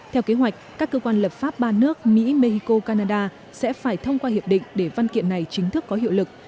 theo kế hoạch các cơ quan lập pháp ba nước mỹ mexico canada sẽ phải thông qua hiệp định để văn kiện này chính thức có hiệu lực